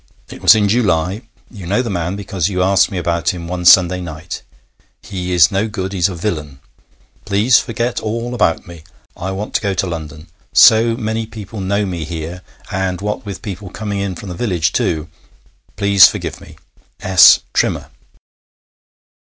It was in July. You know the man, because you asked me about him one Sunday night. He is no good. He is a villain. Please forget all about me. I want to go to London. So many people know me here, and what with people coming in from the village, too. Please forgive me. 'S. TRIMMER.'